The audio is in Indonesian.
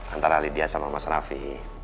antara lydia sama mas rafi